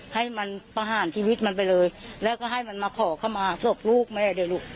ให้มันทบล๊ะมากกว่าที่มันทำแม่